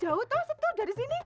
jauh tau setuh dari sini